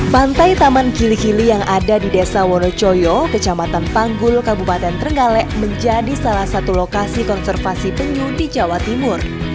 pantai taman kili kili yang ada di desa wonocoyo kecamatan panggul kabupaten trenggalek menjadi salah satu lokasi konservasi penyu di jawa timur